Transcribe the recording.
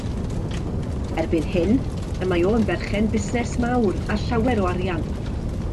Erbyn hyn, y mae o yn berchen busnes mawr a llawer o arian.